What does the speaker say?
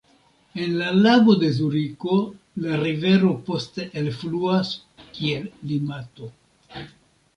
El la Lago de Zuriko la rivero poste elfluas kiel Limato.